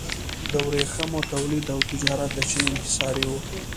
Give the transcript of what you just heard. د ورېښمو تولید او تجارت د چین انحصاري و.